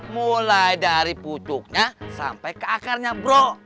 mulai dari pucuknya sampai ke akarnya bro